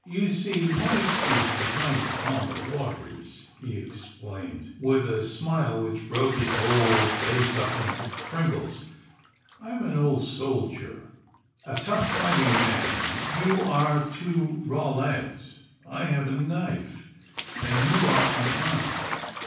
'You see might is right upon the waters,' he explained, with a smile which broke his whole face up into crinkles. 'I am an old soldier, a tough fighting man, and you are two raw lads. I have a knife, and you are unarmed.